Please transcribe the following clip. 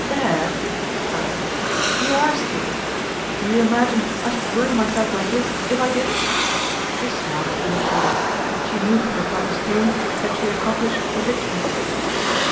'Dad,' she answered, 'you are stupid. Do you imagine I should worry myself like this if I didn't?' She smiled through her tears. She knew from her father's tone that she had accomplished a victory.